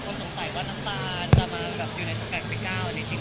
คนต้องถ่ายว่าท่านท่านจะมาอยู่ในสถานีของพี่ก้าวมั้ยจริง